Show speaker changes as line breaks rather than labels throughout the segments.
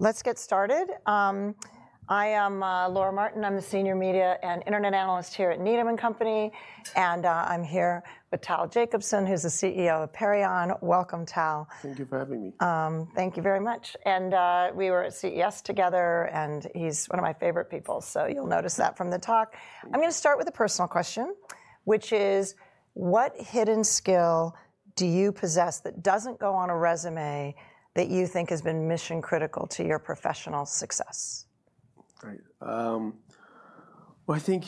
Let's get started. I am Laura Martin. I'm the Senior Media and Internet Analyst here at Needham & Company, and I'm here with Tal Jacobson, who's the CEO of Perion. Welcome, Tal.
Thank you for having me.
Thank you very much. And we were at CES together, and he's one of my favorite people, so you'll notice that from the talk. I'm going to start with a personal question, which is, what hidden skill do you possess that doesn't go on a resume that you think has been mission-critical to your professional success?
Right. Well, I think,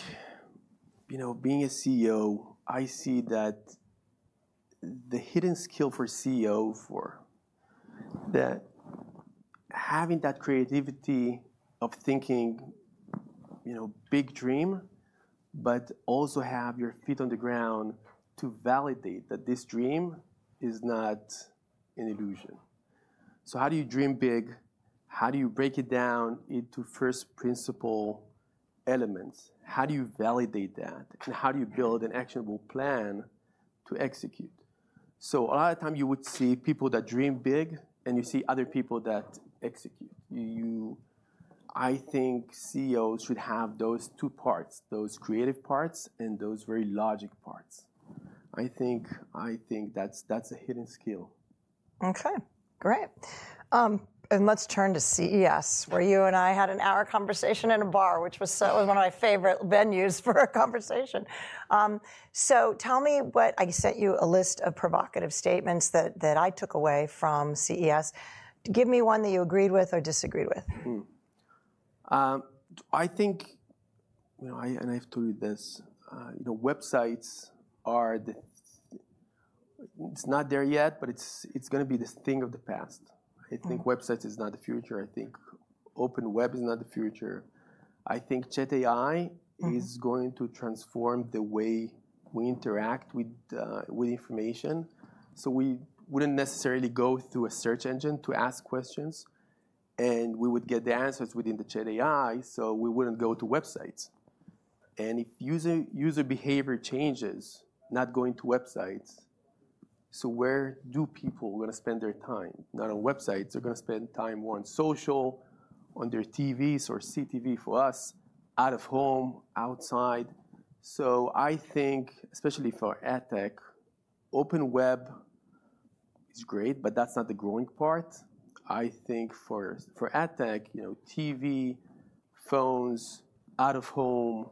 you know, being a CEO, I see that the hidden skill for a CEO, that having that creativity of thinking, you know, big dream, but also have your feet on the ground to validate that this dream is not an illusion. So how do you dream big? How do you break it down into first-principle elements? How do you validate that? And how do you build an actionable plan to execute? So a lot of time, you would see people that dream big, and you see other people that execute. I think CEOs should have those two parts, those creative parts and those very logic parts. I think that's a hidden skill.
Okay, great. And let's turn to CES, where you and I had an hour conversation in a bar, which was one of my favorite venues for a conversation. So tell me what I sent you: a list of provocative statements that I took away from CES. Give me one that you agreed with or disagreed with.
I think, you know, and I have to read this, you know, websites are the. It's not there yet, but it's going to be the thing of the past. I think websites are not the future. I think Open Web is not the future. I think Chat AI is going to transform the way we interact with information, so we wouldn't necessarily go through a search engine to ask questions, and we would get the answers within the Chat AI, so we wouldn't go to websites. And if user behavior changes, not going to websites, so where do people want to spend their time? Not on websites. They're going to spend time more on social, on their TVs or CTV for us, out of home, outside, so I think, especially for ad tech, Open Web is great, but that's not the growing part. I think for ad tech, you know, TV, phones, out of home,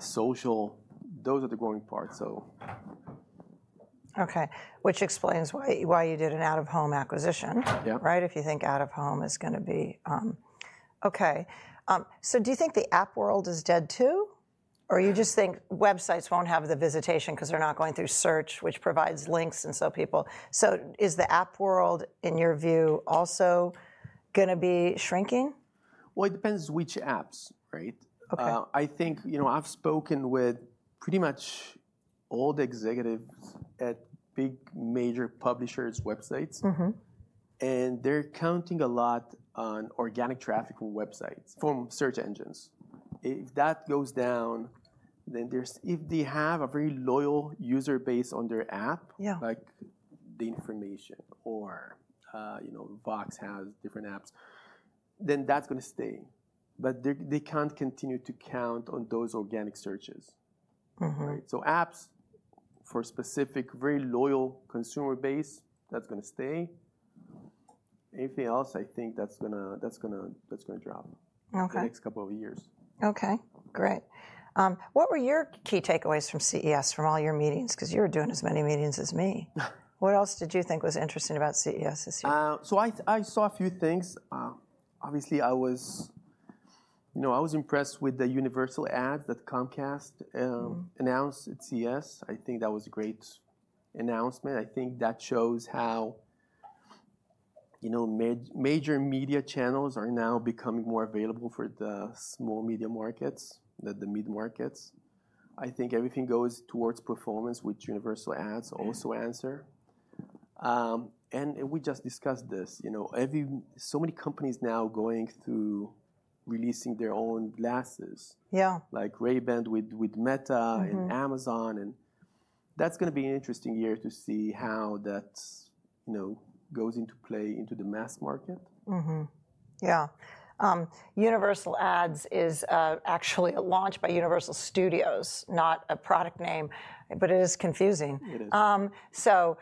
social, those are the growing parts, so.
Okay, which explains why you did an out-of-home acquisition, right? If you think out-of-home is going to be Okay. So do you think the app world is dead, too? Or you just think websites won't have the visitation because they're not going through search, which provides links, and so is the app world, in your view, also going to be shrinking?
It depends which apps, right? I think, you know, I've spoken with pretty much all the executives at big, major publishers' websites, and they're counting a lot on organic traffic from websites, from search engines. If that goes down, then there's, if they have a very loyal user base on their app, like The Information or, you know, Vox has different apps, then that's going to stay. But they can't continue to count on those organic searches, right? So apps for a specific, very loyal consumer base, that's going to stay. Anything else, I think that's going to drop in the next couple of years.
Okay, great. What were your key takeaways from CES, from all your meetings? Because you were doing as many meetings as me. What else did you think was interesting about CES this year?
So I saw a few things. Obviously, I was, you know, I was impressed with the Universal Ads that Comcast announced at CES. I think that was a great announcement. I think that shows how, you know, major media channels are now becoming more available for the small media markets, the mid markets. I think everything goes towards performance, which Universal Ads also answer. And we just discussed this. You know, so many companies now going through releasing their own glasses, like Ray-Ban with Meta and Amazon. And that's going to be an interesting year to see how that, you know, goes into play into the mass market.
Yeah. Universal Ads is actually launched by Universal Studios, not a product name, but it is confusing.
It is.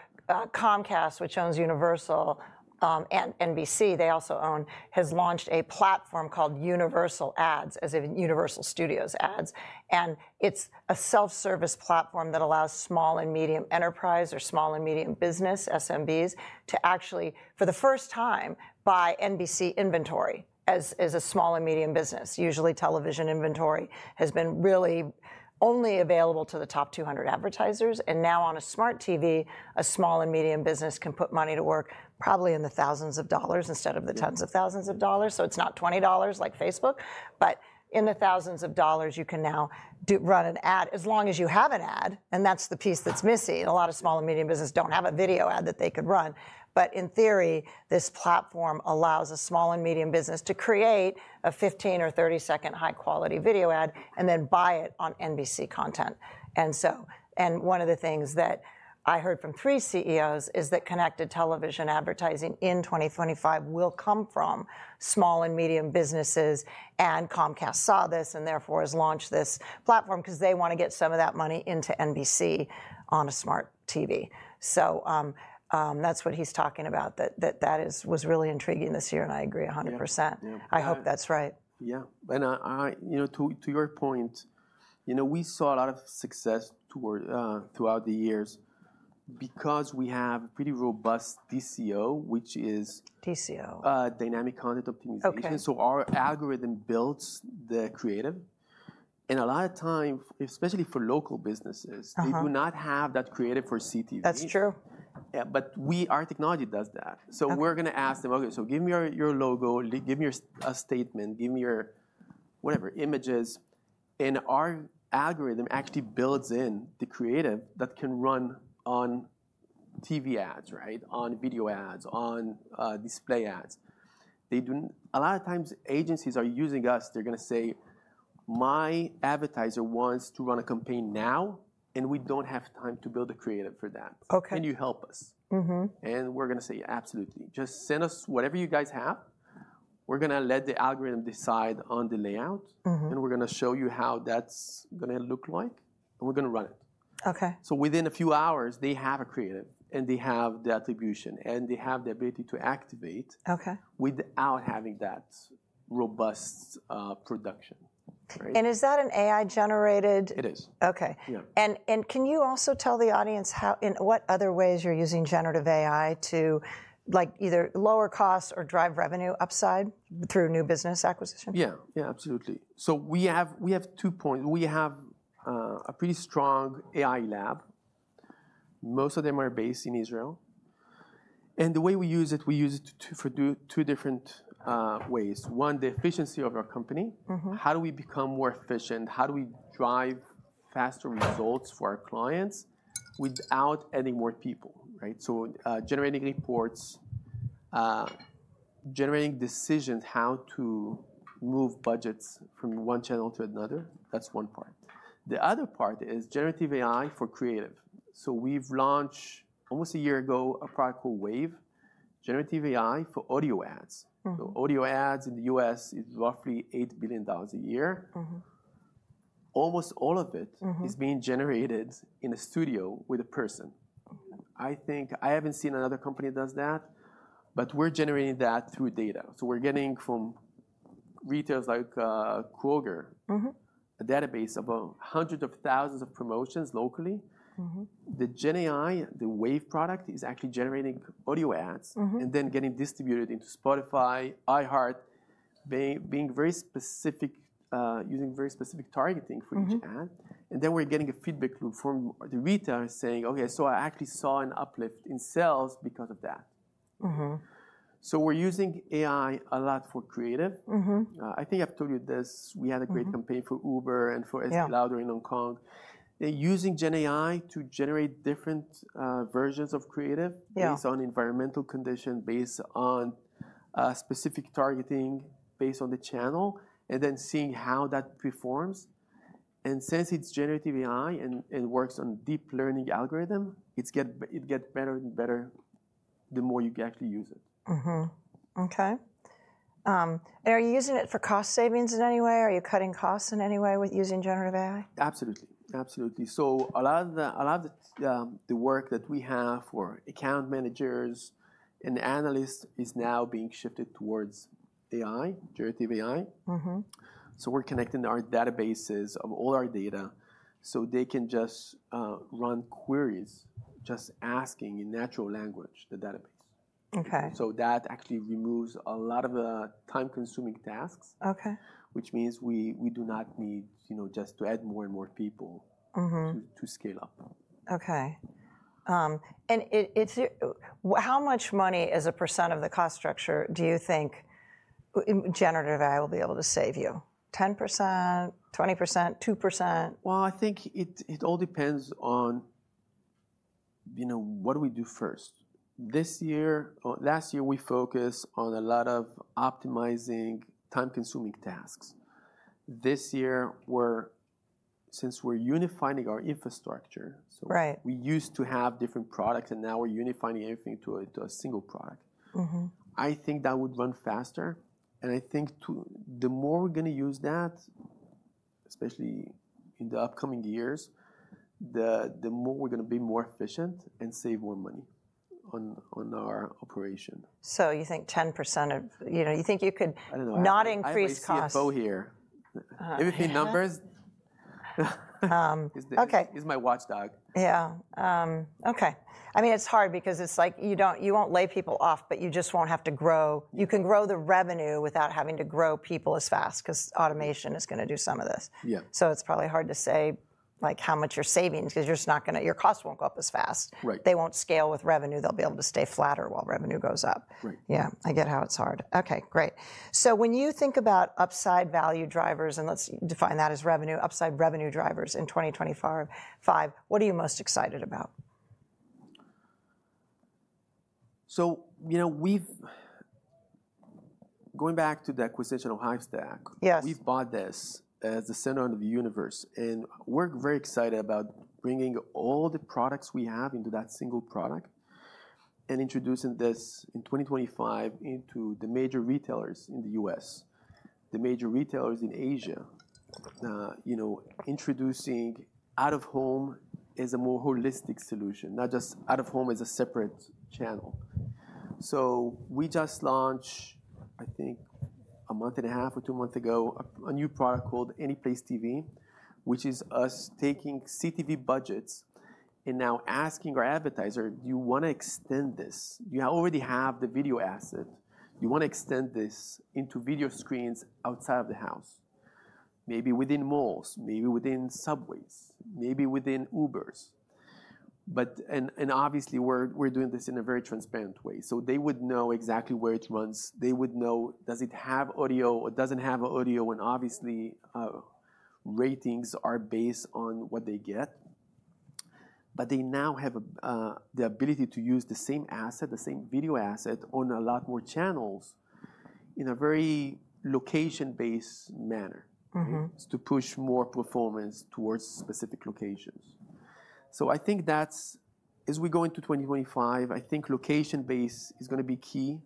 Comcast, which owns Universal and NBC, they also own, has launched a platform called Universal Ads, as in Universal Studios Ads. It is a self-service platform that allows small and medium enterprise or small and medium business, SMBs, to actually, for the first time, buy NBC inventory as a small and medium business. Usually, television inventory has been really only available to the top 200 advertisers. Now, on a smart TV, a small and medium business can put money to work probably in the thousands of dollars instead of the tens of thousands of dollars. It is not $20 like Facebook. But in the thousands of dollars, you can now run an ad as long as you have an ad. That is the piece that is missing. A lot of small and medium businesses do not have a video ad that they could run. But in theory, this platform allows a small and medium business to create a 15- or 30-second high-quality video ad and then buy it on NBC content. And so, and one of the things that I heard from three CEOs is that connected television advertising in 2025 will come from small and medium businesses. And Comcast saw this and therefore has launched this platform because they want to get some of that money into NBC on a smart TV. So that's what he's talking about, that that was really intriguing this year. And I agree 100%. I hope that's right.
Yeah, and you know, to your point, you know, we saw a lot of success throughout the years because we have a pretty robust DCO, which is.
DCO.
Dynamic Creative Optimization. So our algorithm builds the creative. And a lot of times, especially for local businesses, they do not have that creative for CTV.
That's true.
Yeah, but our technology does that. So we're going to ask them, Okay, so give me your logo, give me a statement, give me your whatever, images. And our algorithm actually builds in the creative that can run on TV ads, right, on video ads, on display ads. A lot of times, agencies are using us. They're going to say, my advertiser wants to run a campaign now, and we don't have time to build a creative for that. Can you help us? And we're going to say, absolutely. Just send us whatever you guys have. We're going to let the algorithm decide on the layout, and we're going to show you how that's going to look like, and we're going to run it. So within a few hours, they have a creative, and they have the attribution, and they have the ability to activate without having that robust production.
Is that an AI-generated?
It is.
Okay. And can you also tell the audience how, in what other ways, you're using generative AI to, like, either lower costs or drive revenue upside through new business acquisition?
Yeah, yeah, absolutely. So we have two points. We have a pretty strong AI lab. Most of them are based in Israel. And the way we use it, we use it for two different ways. One, the efficiency of our company. How do we become more efficient? How do we drive faster results for our clients without adding more people, right? So generating reports, generating decisions how to move budgets from one channel to another. That's one part. The other part is generative AI for creative. So we've launched almost a year ago a product called WAVE, generative AI for audio ads. So audio ads in the U.S. is roughly $8 billion a year. Almost all of it is being generated in a studio with a person. I think I haven't seen another company that does that, but we're generating that through data. So we're getting from retailers like Kroger a database of hundreds of thousands of promotions locally. The GenAI, the WAVE product, is actually generating audio ads and then getting distributed into Spotify, iHeart, being very specific, using very specific targeting for each ad. And then we're getting a feedback loop from the retailers saying, Okay, so I actually saw an uplift in sales because of that. So we're using AI a lot for creative. I think I've told you this. We had a great campaign for Uber and for Estée Lauder in Hong Kong. They're using GenAI to generate different versions of creative based on environmental conditions, based on specific targeting, based on the channel, and then seeing how that performs. And since it's generative AI and works on deep learning algorithms, it gets better and better the more you actually use it.
Okay. Are you using it for cost savings in any way? Are you cutting costs in any way with using generative AI?
Absolutely, absolutely. So a lot of the work that we have for account managers and analysts is now being shifted towards AI, generative AI. So we're connecting our databases of all our data so they can just run queries just asking in natural language the database. So that actually removes a lot of time-consuming tasks, which means we do not need just to add more and more people to scale up.
Okay. And how much money, as a percent of the cost structure, do you think generative AI will be able to save you? 10%, 20%, 2%?
I think it all depends on what do we do first. This year, last year, we focused on a lot of optimizing time-consuming tasks. This year, since we're unifying our infrastructure, so we used to have different products, and now we're unifying everything to a single product. I think that would run faster. And I think the more we're going to use that, especially in the upcoming years, the more we're going to be more efficient and save more money on our operation.
So you think 10% of, you know, you think you could not increase costs?
I don't know. If you go here, if it's in numbers, it's my watchdog.
Yeah. Okay. I mean, it's hard because it's like you won't lay people off, but you just won't have to grow. You can grow the revenue without having to grow people as fast because automation is going to do some of this. So it's probably hard to say, like, how much you're saving because you're just not going to, your costs won't go up as fast. They won't scale with revenue. They'll be able to stay flatter while revenue goes up. Yeah, I get how it's hard. Okay, great. So when you think about upside value drivers, and let's define that as revenue, upside revenue drivers in 2025, what are you most excited about?
You know, going back to the acquisition of Hivestack, we've bought this as the center of the universe. We're very excited about bringing all the products we have into that single product and introducing this in 2025 into the major retailers in the US, the major retailers in Asia. You know, we're introducing out-of-home as a more holistic solution, not just out-of-home as a separate channel. We just launched, I think, a month and a half or two months ago, a new product called Anyplace TV, which is us taking CTV budgets and now asking our advertiser, do you want to extend this? You already have the video asset. Do you want to extend this into video screens outside of the house? Maybe within malls, maybe within subways, maybe within Ubers. Obviously, we're doing this in a very transparent way. So they would know exactly where it runs. They would know, does it have audio or doesn't have audio? And obviously, ratings are based on what they get. But they now have the ability to use the same asset, the same video asset, on a lot more channels in a very location-based manner to push more performance towards specific locations. So I think that's, as we go into 2025, I think location-based is going to be key.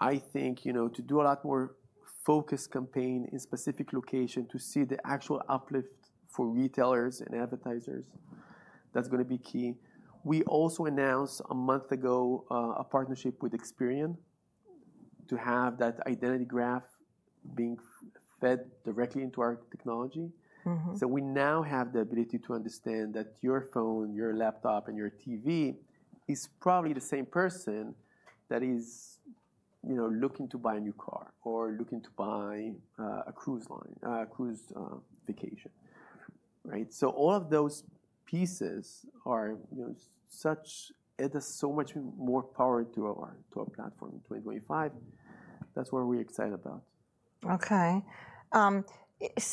I think, you know, to do a lot more focused campaigns in specific locations to see the actual uplift for retailers and advertisers, that's going to be key. We also announced a month ago a partnership with Experian to have that identity graph being fed directly into our technology. So we now have the ability to understand that your phone, your laptop, and your TV is probably the same person that is, you know, looking to buy a new car or looking to buy a cruise vacation, right? So all of those pieces are such as add so much more power to our platform in 2025. That's what we're excited about.
Okayay.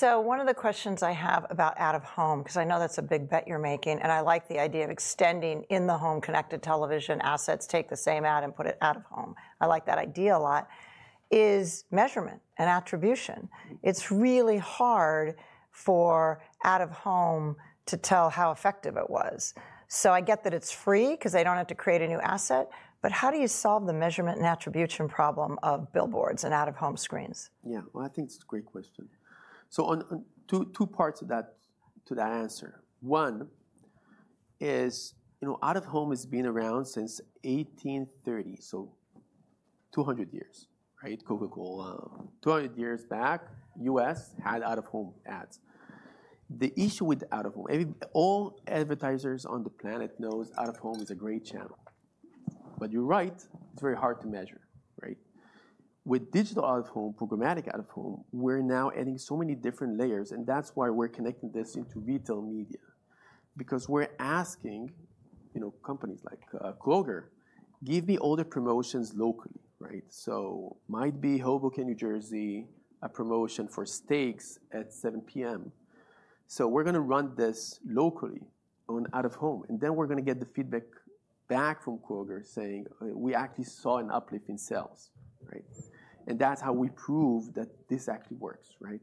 One of the questions I have about out-of-home, because I know that's a big bet you're making, and I like the idea of extending in-the-home connected television assets, take the same ad and put it out of home. I like that idea a lot. Is measurement and attribution? It's really hard for out-of-home to tell how effective it was. So I get that it's free because they don't have to create a new asset. But how do you solve the measurement and attribution problem of billboards and out-of-home screens?
Yeah, well, I think it's a great question. So two parts to that answer. One is, you know, out-of-home has been around since 1830, so 200 years, right? Coca-Cola. 200 years back, U.S. had out-of-home ads. The issue with out-of-home, all advertisers on the planet know out-of-home is a great channel. But you're right, it's very hard to measure, right? With digital out-of-home, programmatic out-of-home, we're now adding so many different layers. And that's why we're connecting this into retail media, because we're asking, you know, companies like Kroger, give me all the promotions locally, right? So might be Hoboken, New Jersey, a promotion for steaks at 7:00 P.M. So we're going to run this locally on out-of-home. And then we're going to get the feedback back from Kroger saying, we actually saw an uplift in sales, right? And that's how we prove that this actually works, right?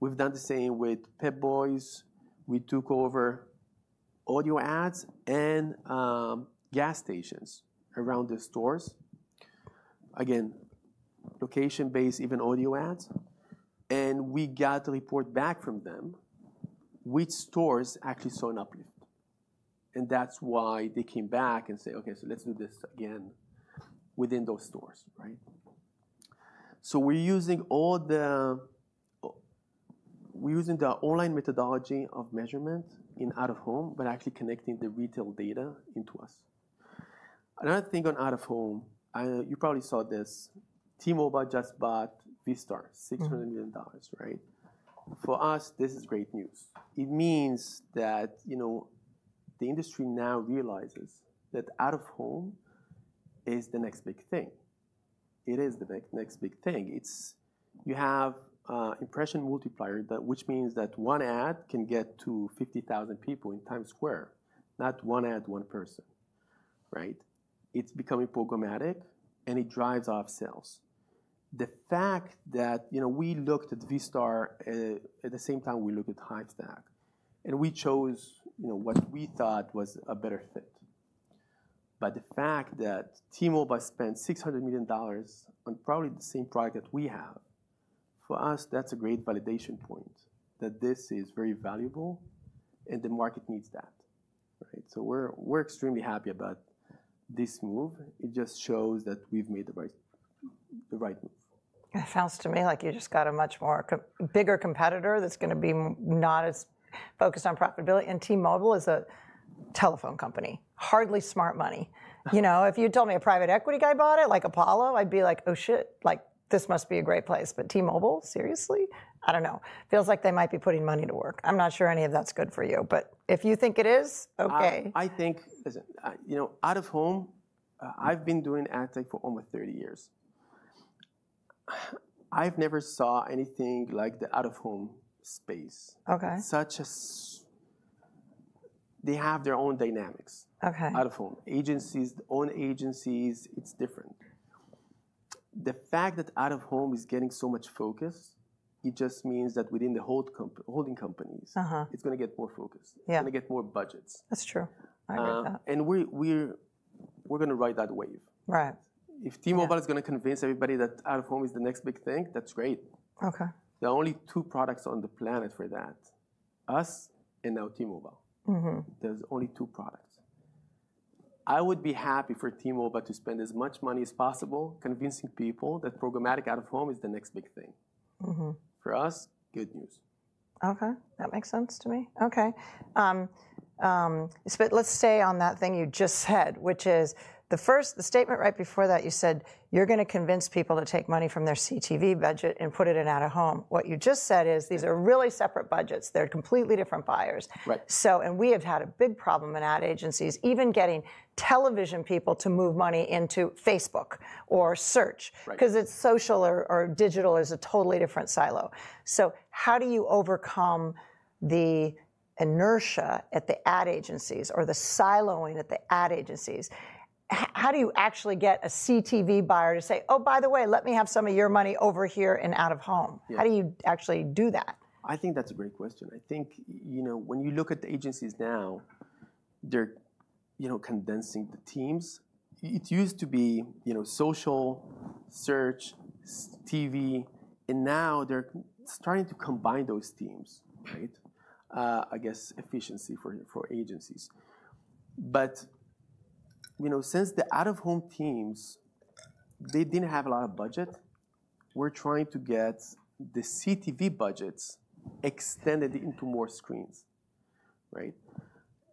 We've done the same with Pep Boys. We took audio ads in gas stations around the stores. Again, location-based, even audio ads, we got the report back from them, which stores actually saw an uplift. That's why they came back and said, Okay, so let's do this again within those stores, right, so we're using the online methodology of measurement in out-of-home, but actually connecting the retail data into us. Another thing on out-of-home, you probably saw this. T-Mobile just bought Vistar, $600 million, right? For us, this is great news. It means that, you know, the industry now realizes that out-of-home is the next big thing. It is the next big thing. It's you have impression multiplier, which means that one ad can get to 50,000 people in Times Square, not one ad, one person, right? It's becoming programmatic, and it drives off sales. The fact that, you know, we looked at Vistar at the same time we looked at Hivestack, and we chose, you know, what we thought was a better fit. But the fact that T-Mobile spent $600 million on probably the same product that we have, for us, that's a great validation point that this is very valuable and the market needs that, right? So we're extremely happy about this move. It just shows that we've made the right move.
It sounds to me like you just got a much bigger competitor that's going to be not as focused on profitability, and T-Mobile is a telephone company, hardly smart money. You know, if you told me a private equity guy bought it, like Apollo, I'd be like, oh, shit, like, this must be a great place, but T-Mobile, seriously? I don't know. Feels like they might be putting money to work. I'm not sure any of that's good for you, but if you think it is, Okay.
I think, you know, out-of-home. I've been doing ad tech for almost 30 years. I've never saw anything like the out-of-home space. Such a they have their own dynamics, out-of-home. Agencies, own agencies, it's different. The fact that out-of-home is getting so much focus, it just means that within the holding companies, it's going to get more focus. It's going to get more budgets.
That's true. I get that.
We're going to ride that wave.
Right.
If T-Mobile is going to convince everybody that out-of-home is the next big thing, that's great.
Okay.
There are only two products on the planet for that, us and now T-Mobile. There's only two products. I would be happy for T-Mobile to spend as much money as possible convincing people that programmatic out-of-home is the next big thing. For us, good news.
Okay. That makes sense to me. Okay. Let's stay on that thing you just said, which is the first statement right before that, you said, you're going to convince people to take money from their CTV budget and put it in out-of-home. What you just said is these are really separate budgets. They're completely different buyers. And we have had a big problem in ad agencies even getting television people to move money into Facebook or search, because it's social or digital is a totally different silo. So how do you overcome the inertia at the ad agencies or the siloing at the ad agencies? How do you actually get a CTV buyer to say, oh, by the way, let me have some of your money over here in out-of-home? How do you actually do that?
I think that's a great question. I think, you know, when you look at the agencies now, they're, you know, condensing the teams. It used to be, you know, social, search, TV, and now they're starting to combine those teams, right? I guess efficiency for agencies, but you know, since the out-of-home teams, they didn't have a lot of budget, we're trying to get the CTV budgets extended into more screens, right?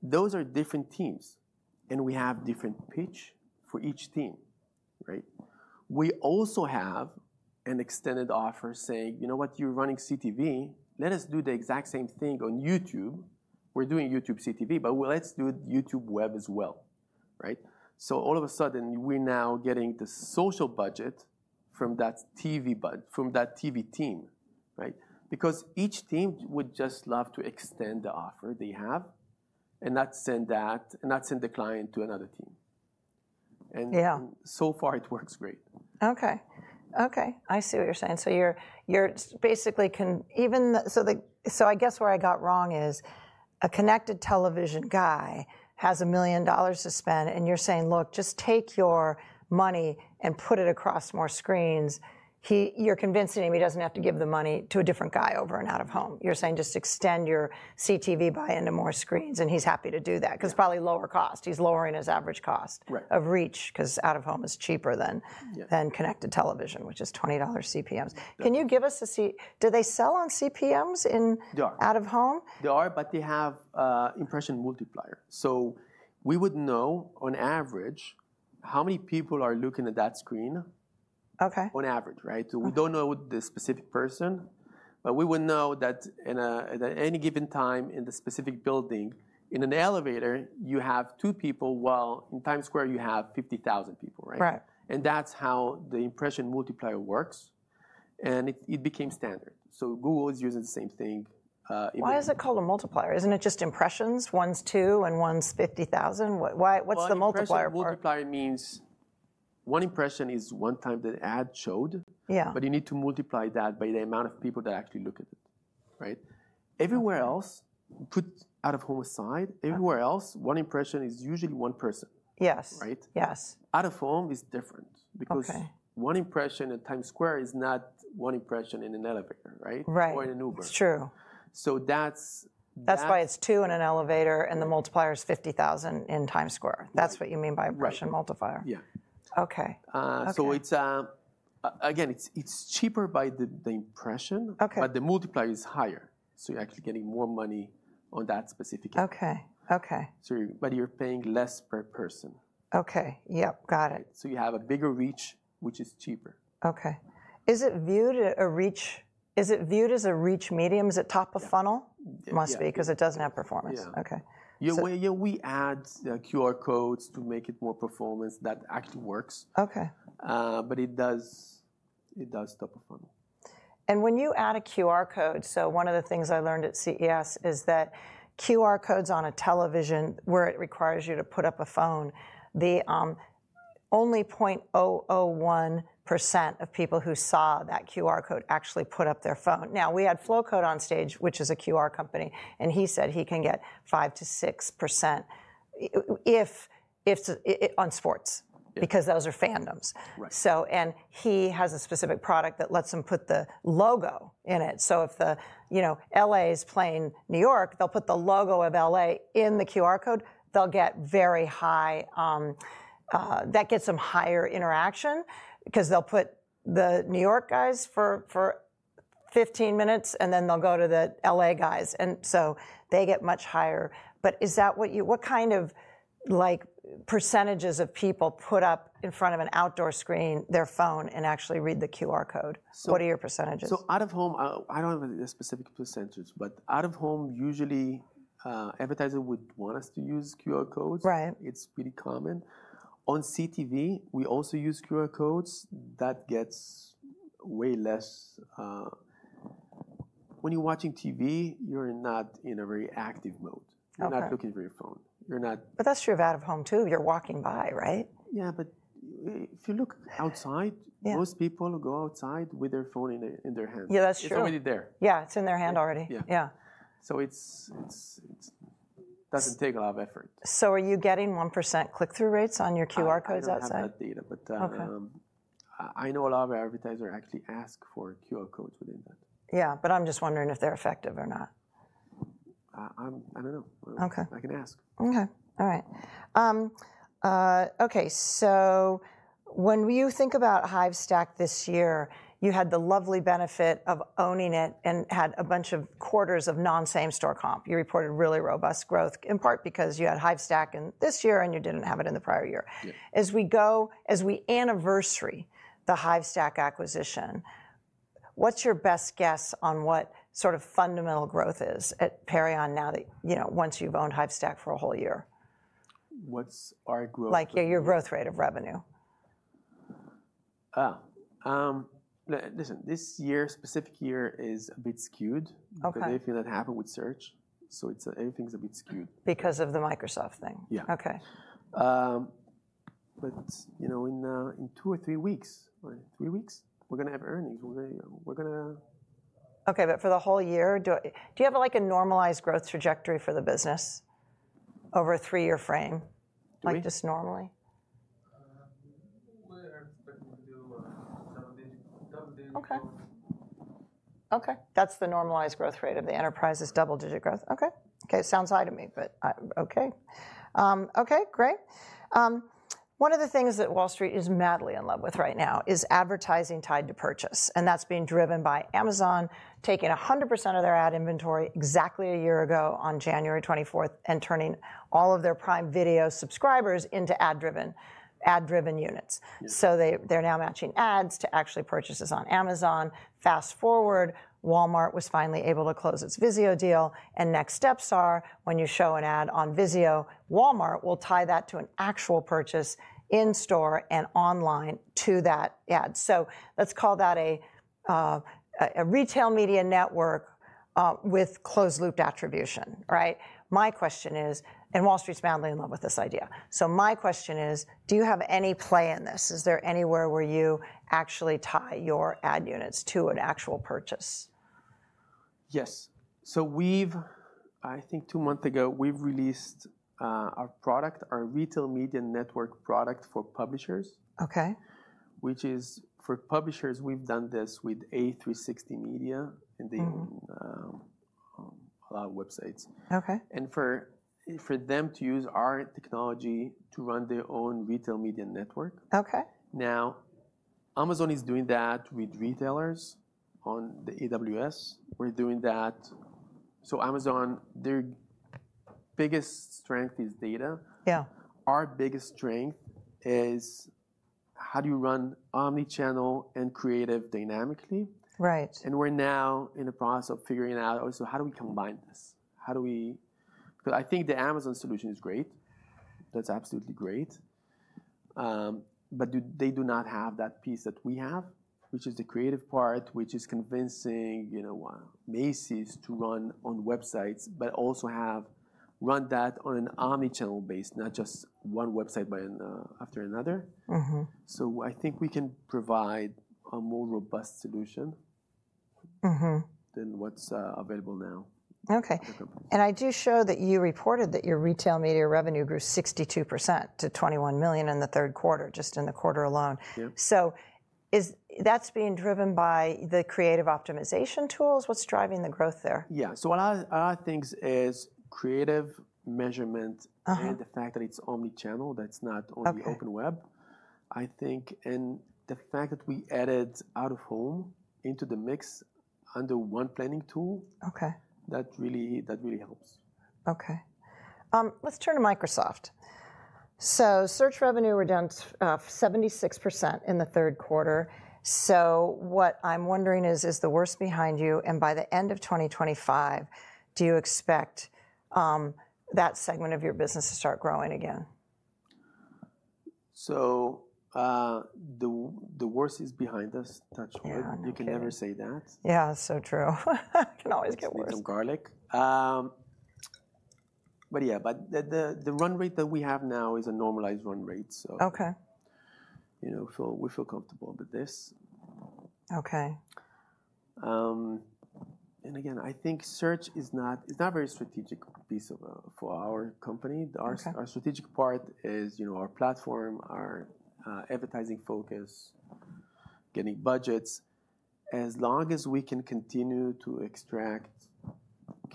Those are different teams, and we have different pitch for each team, right? We also have an extended offer saying, you know what, you're running CTV, let us do the exact same thing on YouTube. We're doing YouTube CTV, but let's do YouTube Web as well, right? So all of a sudden, we're now getting the social budget from that TV team, right? Because each team would just love to extend the offer they have and not send that and not send the client to another team, and so far, it works great.
Okay. Okay. I see what you're saying. So you're basically even so I guess where I got wrong is a connected television guy has $1 million to spend, and you're saying, look, just take your money and put it across more screens. You're convincing him he doesn't have to give the money to a different guy over in out-of-home. You're saying just extend your CTV buy into more screens, and he's happy to do that because probably lower cost. He's lowering his average cost of reach because out-of-home is cheaper than connected television, which is $20 CPMs. Can you give us a sense? Do they sell on CPMs in out-of-home?
They are, but they have impression multiplier. So we would know, on average, how many people are looking at that screen on average, right? So we don't know the specific person, but we would know that at any given time in the specific building, in an elevator, you have two people, while in Times Square, you have 50,000 people, right? And that's how the impression multiplier works. And it became standard. So Google is using the same thing.
Why is it called a multiplier? Isn't it just impressions? One's two and one's 50,000. What's the multiplier part?
The multiplier means one impression is one time the ad showed, but you need to multiply that by the amount of people that actually look at it, right? Everywhere else, put out-of-home aside, everywhere else, one impression is usually one person, right?
Yes. Yes.
Out-of-home is different because one impression in Times Square is not one impression in an elevator, right? Or in an Uber.
Right. It's true.
So that's.
That's why it's two in an elevator, and the multiplier is 50,000 in Times Square. That's what you mean by impression multiplier.
Yeah.
Okay.
So it's, again, it's cheaper by the impression, but the multiplier is higher. So you're actually getting more money on that specific.
Okay. Okay.
But you're paying less per person.
Okay. Yep. Got it.
You have a bigger reach, which is cheaper.
Okay. Is it viewed as a reach? Is it viewed as a reach medium? Is it top of funnel? Must be, because it doesn't have performance.
Yeah.
Okay.
Yeah. We add QR codes to make it more performance. That actually works.
Okay.
But it does top of funnel.
When you add a QR code, so one of the things I learned at CES is that QR codes on a television, where it requires you to put up a phone, the only 0.001% of people who saw that QR code actually put up their phone. Now, we had Flowcode on stage, which is a QR company, and he said he can get 5%-6% on sports, because those are fandoms. And he has a specific product that lets him put the logo in it. So if the, you know, LA is playing New York, they'll put the logo of LA in the QR code. They'll get very high that gets them higher interaction, because they'll put the New York guys for 15 minutes, and then they'll go to the LA guys. And so they get much higher. But is that what you kind of, like, percentages of people put up in front of an outdoor screen, their phone and actually read the QR code? What are your percentages?
Out-of-home, I don't have a specific percentage, but out-of-home, usually, advertisers would want us to use QR codes. It's pretty common. On CTV, we also use QR codes. That gets way less when you're watching TV. You're not in a very active mode. You're not looking for your phone. You're not.
But that's true of out-of-home, too. You're walking by, right?
Yeah, but if you look outside, most people go outside with their phone in their hands.
Yeah, that's true.
It's already there.
Yeah, it's in their hands already.
Yeah.
Yeah.
So it doesn't take a lot of effort.
So are you getting 1% click-through rates on your QR codes outside?
I don't have that data, but I know a lot of advertisers actually ask for QR codes within that.
Yeah, but I'm just wondering if they're effective or not.
I don't know. I can ask.
Okay. All right. Okay, so when you think about Hivestack this year, you had the lovely benefit of owning it and had a bunch of quarters of non-same-store comp. You reported really robust growth, in part because you had Hivestack in this year and you didn't have it in the prior year. As we go, as we anniversary the Hivestack acquisition, what's your best guess on what sort of fundamental growth is at Perion now that, you know, once you've owned Hivestack for a whole year?
What's our growth?
Like your growth rate of revenue.
Listen, this year, specific year, is a bit skewed. Because everything that happened with search, so everything's a bit skewed.
Because of the Microsoft thing.
Yeah.
Okay.
But, you know, in two or three weeks, three weeks, we're going to have earnings. We're going to.
Okay, but for the whole year, do you have, like, a normalized growth trajectory for the business over a three-year frame, like just normally?
We're expecting to do double-digit growth.
Okay, that's the normalized growth rate of the enterprise's double-digit growth. It sounds high to me, but Okay. Great. One of the things that Wall Street is madly in love with right now is advertising tied to purchase. And that's being driven by Amazon taking 100% of their ad inventory exactly a year ago on January 24 and turning all of their Prime Video subscribers into ad-driven units. So they're now matching ads to actual purchases on Amazon. Fast forward, Walmart was finally able to close its Vizio deal. And next steps are, when you show an ad on Vizio, Walmart will tie that to an actual purchase in store and online to that ad. So let's call that a retail media network with closed-loop attribution, right? My question is, and Wall Street's madly in love with this idea. So my question is, do you have any play in this? Is there anywhere where you actually tie your ad units to an actual purchase?
Yes, so I think two months ago, we've released our product, our retail media network product for publishers.
Okay.
Which is for publishers. We've done this with A360 Media and a lot of websites. And for them to use our technology to run their own retail media network. Now, Amazon is doing that with retailers on the AWS. We're doing that. So Amazon, their biggest strength is data. Our biggest strength is how do you run omnichannel and creative dynamically? And we're now in the process of figuring out, also, how do we combine this? How do we because I think the Amazon solution is great. That's absolutely great. But they do not have that piece that we have, which is the creative part, which is convincing, you know, Macy's to run on websites, but also have run that on an omnichannel base, not just one website after another. So I think we can provide a more robust solution than what's available now.
Okayay. And I do show that you reported that your retail media revenue grew 62% to $21 million in the third quarter, just in the quarter alone. So is that being driven by the creative optimization tools? What's driving the growth there?
Yeah, so one of the things is creative measurement and the fact that it's omnichannel, that's not only Open Web, I think, and the fact that we added Out-of-Home into the mix under one planning tool, that really helps.
Okay. Let's turn to Microsoft. So, search revenue decline of 76% in the third quarter. So what I'm wondering is, is the worst behind you? And by the end of 2025, do you expect that segment of your business to start growing again?
So the worst is behind us. Behind you. You can never say that.
Yeah, that's so true. It can always get worse.
Sweet and garlic. But yeah, but the run rate that we have now is a normalized run rate. So we feel comfortable with this.
Okay.
Again, I think search is not a very strategic piece for our company. Our strategic part is, you know, our platform, our advertising focus, getting budgets. As long as we can continue to extract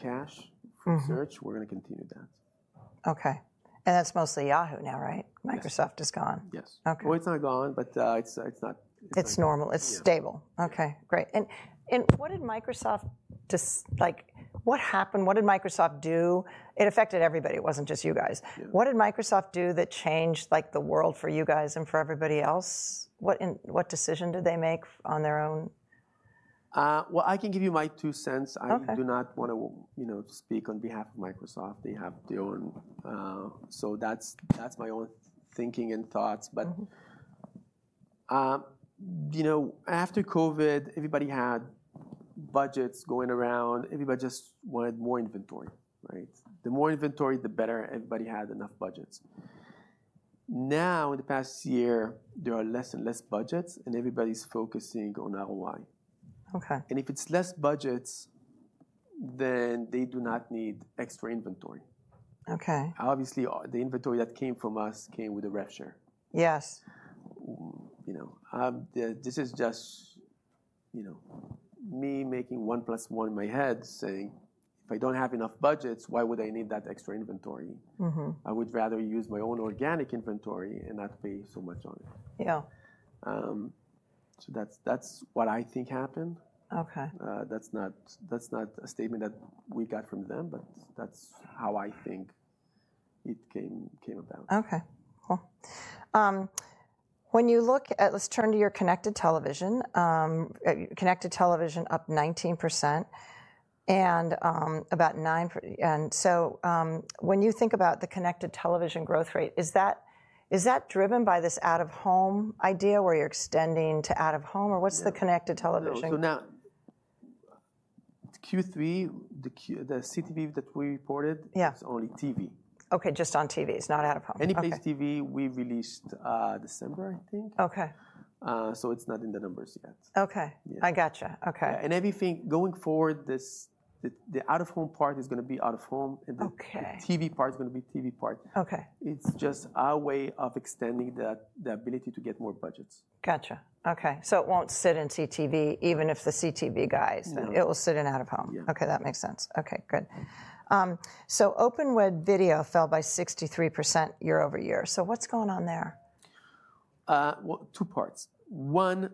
cash from search, we're going to continue that.
Okay, and that's mostly Yahoo now, right? Microsoft is gone.
Yes. Well, it's not gone, but it's not.
It's normal. It's stable. Okay, great. And what did Microsoft like, what happened? What did Microsoft do? It affected everybody. It wasn't just you guys. What did Microsoft do that changed, like, the world for you guys and for everybody else? What decision did they make on their own?
I can give you my two cents. I do not want to speak on behalf of Microsoft. They have their own. That's my own thinking and thoughts. You know, after COVID, everybody had budgets going around. Everybody just wanted more inventory, right? The more inventory, the better. Everybody had enough budgets. Now, in the past year, there are less and less budgets, and everybody's focusing on ROI. If it's less budgets, then they do not need extra inventory.
Okay.
Obviously, the inventory that came from us came with a rev share.
Yes.
You know, this is just, you know, me making one plus one in my head saying, if I don't have enough budgets, why would I need that extra inventory? I would rather use my own organic inventory and not pay so much on it.
Yeah.
So that's what I think happened.
Okay.
That's not a statement that we got from them, but that's how I think it came about.
Okay. Cool. When you look at, let's turn to your connected television. Connected television up 19%. And about 9%. And so when you think about the connected television growth rate, is that driven by this out-of-home idea where you're extending to out-of-home? Or what's the connected television?
So now, Q3, the CTV that we reported, it's only TV.
Okay, just on TVs, not out-of-home.
Anyplace TV we released December, I think.
Okay.
It's not in the numbers yet.
Okay. I gotcha. Okay.
Everything going forward, the out-of-home part is going to be out-of-home. The TV part is going to be TV part. It's just our way of extending the ability to get more budgets.
Gotcha. Okay. So it won't sit in CTV, even if the CTV guys.
No.
It will sit in out-of-home.
Yeah.
Okay, that makes sense. Okay, good. So Open Web video fell by 63% year-over-year. So what's going on there?
Two parts. One,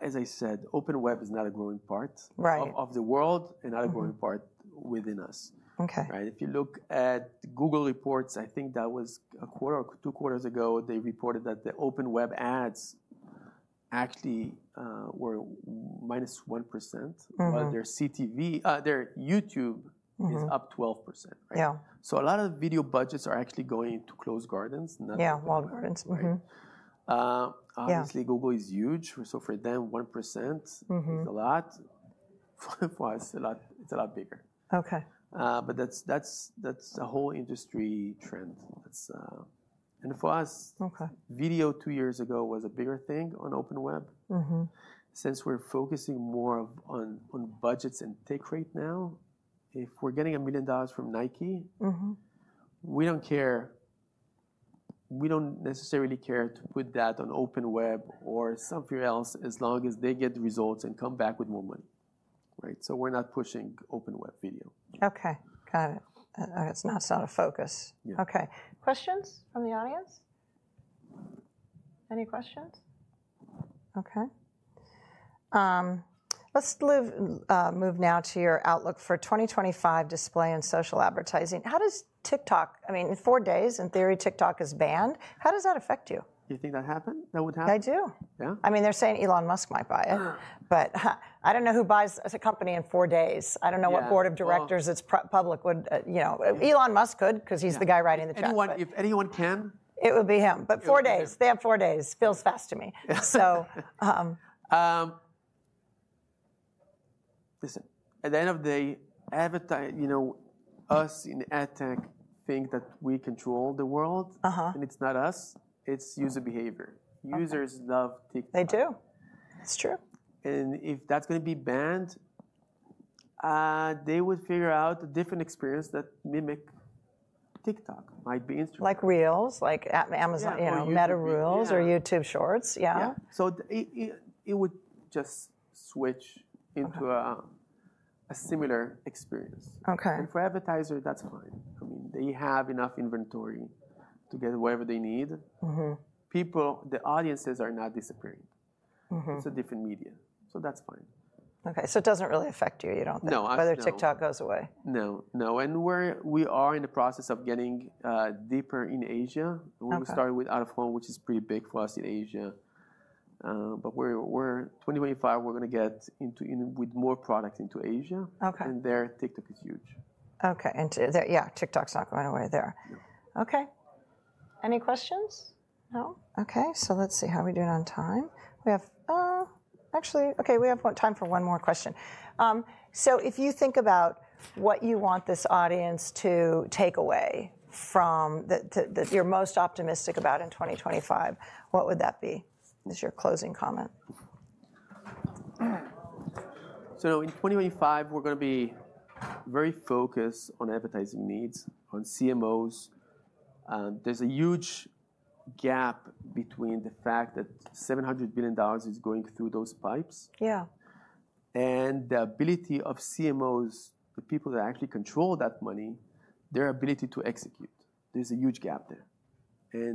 as I said, Open Web is not a growing part of the world and not a growing part within the U.S.
Okay.
If you look at Google reports, I think that was a quarter or two quarters ago, they reported that the Open Web ads actually were minus 1%. But their CTV, their YouTube is up 12%.
Yeah.
So a lot of video budgets are actually going to walled gardens.
Yeah, walled gardens.
Obviously, Google is huge. So for them, 1% is a lot. For us, it's a lot bigger.
Okay.
But that's a whole industry trend. And for us, video two years ago was a bigger thing on Open Web. Since we're focusing more on budgets and tech right now, if we're getting $1 million from Nike, we don't care. We don't necessarily care to put that on Open Web or something else as long as they get results and come back with more money, right? So we're not pushing Open Web video.
Okay, got it. That's not out of focus. Okay. Questions from the audience? Any questions? Okay. Let's move now to your outlook for 2025 display and social advertising. How does TikTok I mean, in four days, in theory, TikTok is banned. How does that affect you?
Do you think that would happen?
I do.
Yeah.
I mean, they're saying Elon Musk might buy it. But I don't know who buys a company in four days. I don't know what board of directors if it's public would, you know. Elon Musk could, because he's the guy writing the check.
If anyone can.
It would be him. But four days. They have four days. Feels fast to me. So.
Listen, at the end of the day, you know, us in ad tech think that we control the world, and it's not us. It's user behavior. Users love TikTok.
They do. That's true.
If that's going to be banned, they would figure out a different experience that mimics TikTok. Might be Instagram.
Like Reels, like Amazon, you know, Meta Reels or YouTube Shorts. Yeah.
Yeah. So it would just switch into a similar experience.
Okay.
For advertisers, that's fine. I mean, they have enough inventory to get whatever they need. People, the audiences are not disappearing. It's a different media. So that's fine.
Okay, so it doesn't really affect you. You don't think.
No.
Whether TikTok goes away.
No. No, and we are in the process of getting deeper in Asia. We started with out-of-home, which is pretty big for us in Asia, but in 2025, we're going to go with more products into Asia, and there, TikTok is huge.
Okay. And yeah, TikTok's not going away there. Okay. Any questions? No? Okay. So let's see how we're doing on time. We have actually, Okay, we have time for one more question. So if you think about what you want this audience to take away from that you're most optimistic about in 2025, what would that be? That's your closing comment.
So in 2025, we're going to be very focused on advertising needs, on CMOs. There's a huge gap between the fact that $700 billion is going through those pipes.
Yeah.
The ability of CMOs, the people that actually control that money, their ability to execute. There's a huge gap there.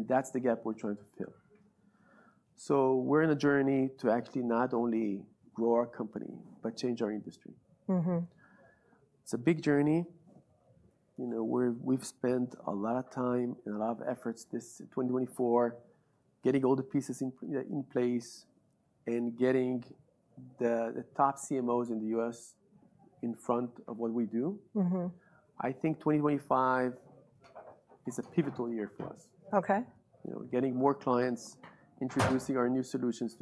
That's the gap we're trying to fill. We're in a journey to actually not only grow our company, but change our industry. It's a big journey. You know, we've spent a lot of time and a lot of efforts this 2024, getting all the pieces in place and getting the top CMOs in the U.S. in front of what we do. I think 2025 is a pivotal year for us.
Okay.
Getting more clients, introducing our new solutions.